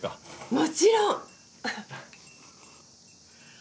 もちろん！